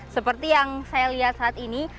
seperti yang saya lihat saat ini